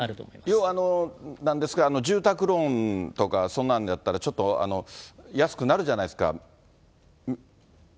要はなんですか、住宅ローンとか、そんなんやったら安くなるじゃないですか。